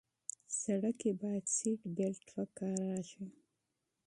سړک کې باید سیټ بیلټ وکارېږي.